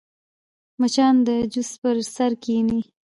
مچان د جوس پر سر کښېني